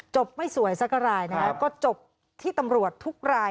ไม่สวยสักรายนะคะก็จบที่ตำรวจทุกราย